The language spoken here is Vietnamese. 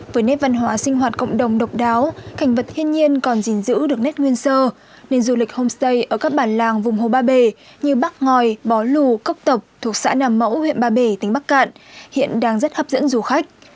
với nét văn hóa sinh hoạt cộng đồng độc đáo cảnh vật thiên nhiên còn gìn giữ được nét nguyên sơ nên du lịch homestay ở các bản làng vùng hồ ba bể như bắc ngòi bó lù cốc tộc thuộc xã nàm mẫu huyện ba bể tỉnh bắc cạn hiện đang rất hấp dẫn du khách